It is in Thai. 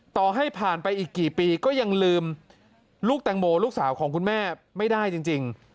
ต่อให้ผ่านไปอีกกี่ปีก็ยังลืมลูกแตงโมลูกสาวของคุณแม่ไม่ได้จริง